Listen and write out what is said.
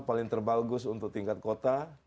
paling terbagus untuk tingkat kota